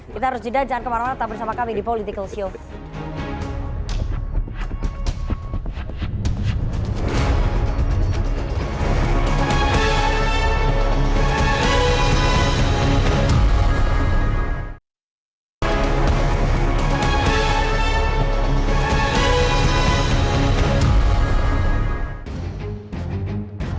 kita harus jeda jangan kemana mana tetap bersama kami di political show